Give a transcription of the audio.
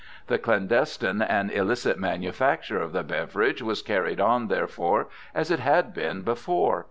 The clandestine and illicit manufacture of the beverage was carried on therefore as it had been before.